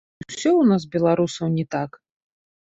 Усё ў нас, беларусаў, не так.